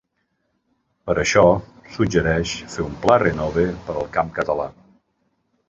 Per això, suggereix fer un ‘Pla renove’ per al camp català.